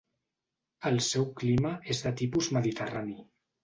El seu clima és de tipus mediterrani.